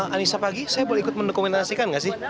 anissa pagi saya boleh ikut mendokumentasikan nggak sih